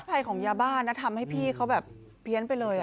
ภัยของยาบ้านะทำให้พี่เขาแบบเพี้ยนไปเลย